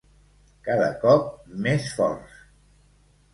Cada cop més forts.